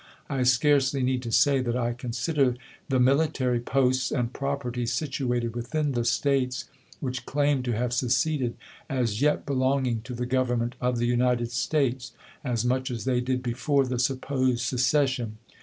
I scarcely need to say that I consider the military posts and property situated within the States which claim to have seceded as yet belonging to the Govern ment of the United States as much as they did before the supposed secession.